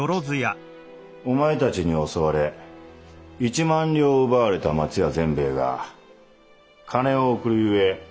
お前たちに襲われ１万両を奪われた松屋善兵衛が金を送るゆえ